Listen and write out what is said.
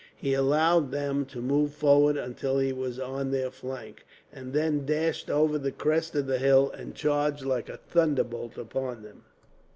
He allowed them to move forward until he was on their flank, and then dashed over the crest of the hill, and charged like a thunderbolt upon them.